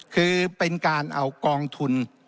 คือเป็นการเอากองทุน